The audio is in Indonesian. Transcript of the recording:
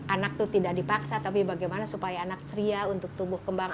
anak itu tidak dipaksa tapi bagaimana supaya anak ceria untuk tumbuh kembang